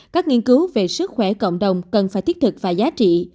các nghiên cứu về sức khỏe cộng đồng cần phải thiết thực và giá trị